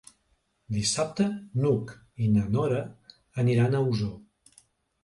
Dissabte n'Hug i na Nora aniran a Osor.